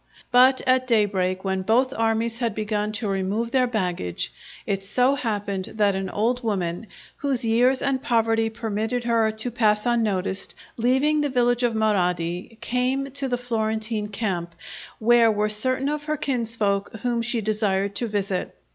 But at daybreak, when both armies had begun to remove their baggage, it so happened that an old woman, whose years and poverty permitted her to pass unnoticed, leaving the village of Marradi, came to the Florentine camp, where were certain of her kinsfolk whom she desired to visit.